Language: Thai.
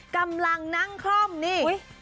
กำลังนั่งคล่อมนี่